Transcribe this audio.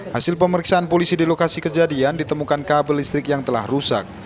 hasil pemeriksaan polisi di lokasi kejadian ditemukan kabel listrik yang telah rusak